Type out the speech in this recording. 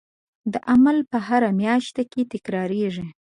دا عمل به هره میاشت تکرارېدی.